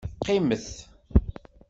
Qqimet.